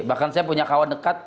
bahkan saya punya kawan dekat